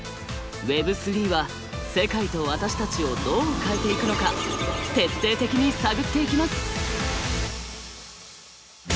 Ｗｅｂ３は世界と私たちをどう変えていくのか徹底的に探っていきます！